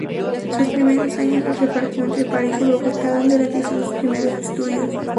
Sus primeros años los repartió entre París y Bogotá donde realizó sus primeros estudios.